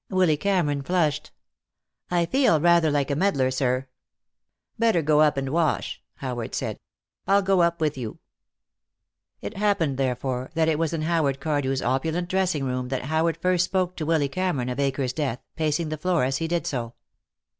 Willy Cameron flushed. "I feel rather like a meddler, sir." "Better go up and wash," Howard said. "I'll go up with you." It happened, therefore, that it was in Howard Cardew's opulent dressing room that Howard first spoke to Willy Cameron of Akers' death, pacing the floor as he did so.